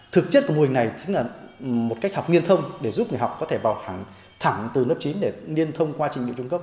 thực chất của mô hình này chính là một cách học nghiên thông để giúp người học có thể vào thẳng từ lớp chín để liên thông qua trình độ trung cấp